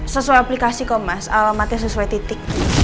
sesuai aplikasi kok mas alamatnya sesuai titik